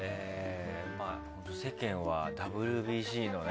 世間はＷＢＣでね。